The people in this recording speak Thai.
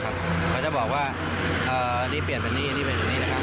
เขาจะบอกว่าเอ่อนี้เปลี่ยนเป็นเงี้ยนี้เปลี่ยนเป็นเงี้ยนะคะ